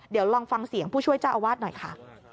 เดี๋ยวลองฟังเสียงผู้ช่วยเจ้าอาวาสหน่อยค่ะ